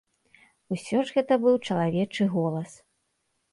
Усё ж гэта быў чалавечы голас.